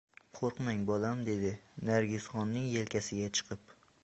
— Qo‘rqmang, bolam,— dedi Nargisxonning yelkasiga qoqib.